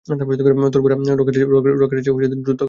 তোর ঘোড়া আমার রকেটের চেয়েও দ্রুতগামী।